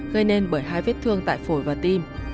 gây nên bởi hai vết thương tại phổi và tim